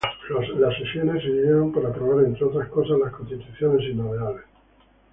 Las sesiones sirvieron para aprobar entre otras cosas las constituciones sinodales.